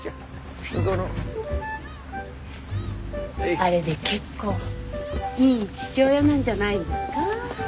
あれで結構いい父親なんじゃないですか？